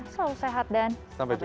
selalu sehat dan sampai jumpa